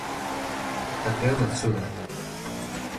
Takeo Matsuda